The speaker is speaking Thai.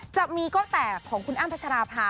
จะมีก็แต่ของคุณอ้ำพัชราภา